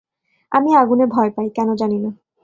আমি আগুনে ভয় পাই, কেন জানি না।